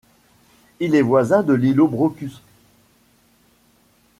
Il est voisin de l'îlot Brocus.